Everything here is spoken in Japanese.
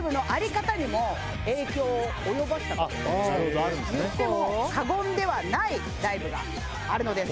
・と言っても過言ではないライブがあるのです。